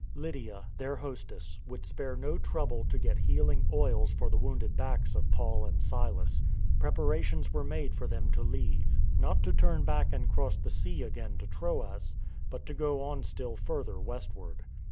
Lydia, their hostess, would spare no trouble to get healing oils for the wounded backs of Paul and Silas, EARTHQUAKE 199 Preparations were made for them to leave — not to turn back and cross the sea again to Troas, but to go on still further westward.